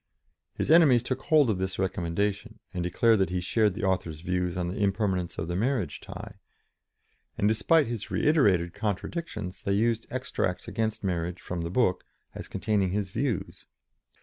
His enemies took hold of this recommendation, declared that he shared the author's views on the impermanence of the marriage tie, and, despite his reiterated contradictions, they used extracts against marriage from the book as containing his views.